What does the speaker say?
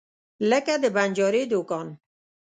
لکه د بنجاري دکان.